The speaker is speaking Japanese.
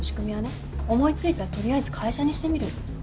思い付いたら取りあえず会社にしてみるの。